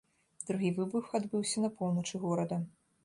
Другі выбух адбыўся на поўначы горада.